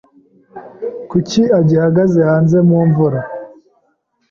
Kuki agihagaze hanze mumvura?